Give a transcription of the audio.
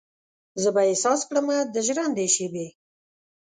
زه به احساس کړمه د ژرندې شیبې